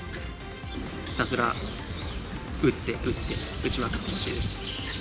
ひたすら打って打って、打ちまくってほしいです。